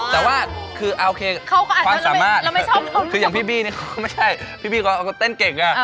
แต่ว่าคือโอเคความสามารถคืออย่างพี่บี้เนี่ยก็ไม่ใช่พี่บี้เขาก็เต้นเก่ง